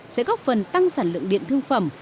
sẽ góp phần tăng sản lượng điện thương phẩm